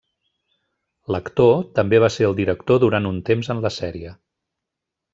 L'actor també va ser el director durant un temps en la sèrie.